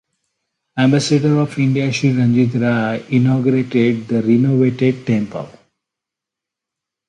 Ambassador of India Shri Ranjit Rae inaugurated the renovated temple.